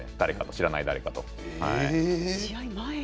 知らない誰かと。